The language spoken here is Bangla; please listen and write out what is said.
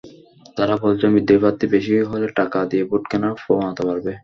তাঁরা বলেছেন, বিদ্রোহী প্রার্থী বেশি হলে টাকা দিয়ে ভোট কেনার প্রবণতা বাড়বে।